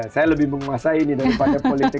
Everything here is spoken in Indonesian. saya lebih menguasai ini daripada politik